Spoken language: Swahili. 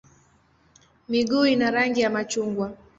Miguu ina rangi ya machungwa.